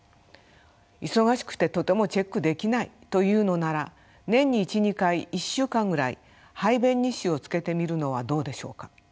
忙しくてとてもチェックできないというのなら年に１２回１週間ぐらい排便日誌をつけてみるのはどうでしょうか。